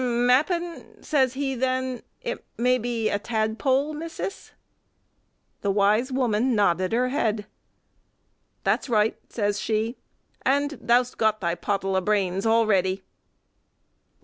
"M'appen," says he then, "it may be a tadpole, missis." The wise woman nodded her head. "That's right," says she, "and thou 'st got thy pottle o' brains already."